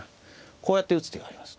こうやって打つ手があります。